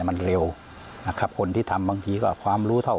มันเร็วนะครับคนที่ทำบางทีก็ความรู้เท่า